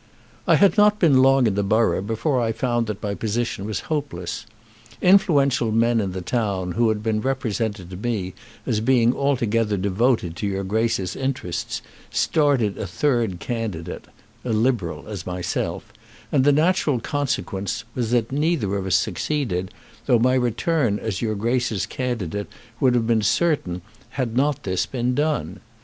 I had not been long in the borough before I found that my position was hopeless. Influential men in the town who had been represented to me as being altogether devoted to your Grace's interests started a third candidate, a Liberal as myself, and the natural consequence was that neither of us succeeded, though my return as your Grace's candidate would have been certain had not this been done.